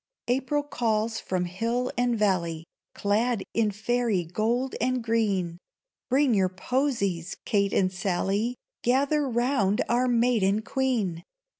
April calls from hill and valley, Clad in fairy gold and green; Bring your posies, Kate and Sally! Gather round our maiden Queen!